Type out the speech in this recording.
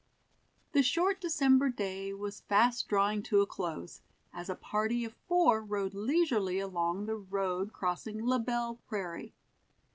The short December day was fast drawing to a close, as a party of four rode leisurely along the road crossing La Belle Prairie.